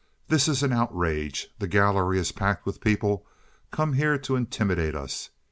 "This is an outrage. The gallery is packed with people come here to intimidate us.